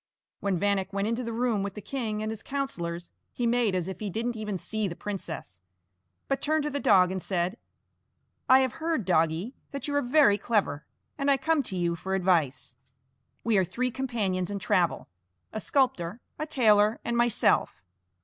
When Vanek went into the room with the king and his councillors, he made as if he didn't even see the princess, but turned to the dog and said: "I have heard, doggie, that you are very clever, and I come to you for advice. We are three companions in travel, a sculptor, a tailor, and myself.